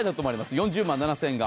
４０万７０００円が。